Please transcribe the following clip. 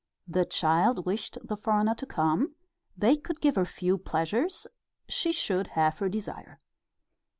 The child wished the foreigner to come they could give her few pleasures she should have her desire.